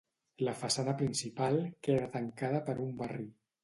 La façana principal queda tancada per un barri.